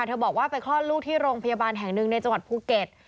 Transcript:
บอกว่าไปคลอดลูกที่โรงพยาบาลแห่งหนึ่งในจังหวัดภูเก็ต